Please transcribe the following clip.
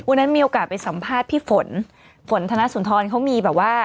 มีโอกาสไปสัมภาษณ์พี่ฝนฝนธนสุนทรเขามีแบบว่า